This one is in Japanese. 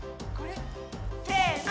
せの！